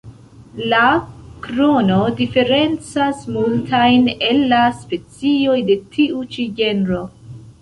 La krono diferencas multajn el la specioj de tiu ĉi genro.